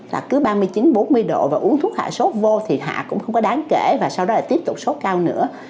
là cứ ba mươi chín bốn mươi độ và uống thuốc hạ sốt vô thì hạ cũng không có đáng kể và sau đó lại tiếp tục sốt cao nữa